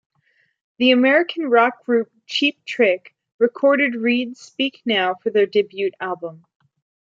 The American rock group Cheap Trick recorded Reid's "Speak Now" for their debut album.